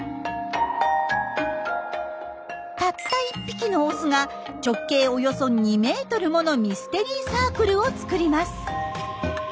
たった１匹のオスが直径およそ２ｍものミステリーサークルを作ります。